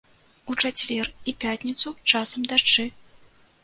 У чацвер і пятніцу часам дажджы.